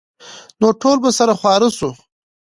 نو ټول به سره خواره سو.